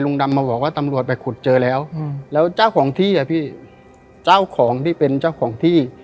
ดำมาบอกว่าตำรวจไปขุดเจอแล้วแล้วเจ้าของที่อ่ะพี่เจ้าของที่เป็นเจ้าของที่